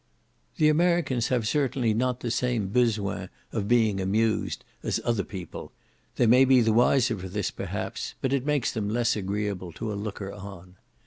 The Americans have certainly not the same besoin of being amused, as other people; they may be the wiser for this, perhaps, but it makes them less agreeable to a looker on.